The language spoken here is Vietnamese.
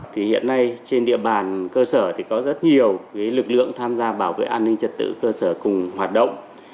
thì hiện nay trên địa bàn cơ sở thì có rất nhiều lực lượng tham gia bảo vệ an ninh trật tự cơ sở cùng hoạt động